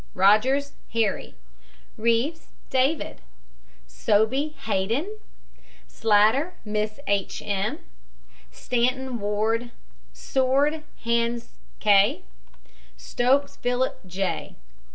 ROGERS, HARRY. REEVES, DAVID. SLEMEN, R. J. SOBEY, HAYDEN. SLATTER, MISS H. M. STANTON, WARD. SWORD, HANS K. STOKES, PHILIP J.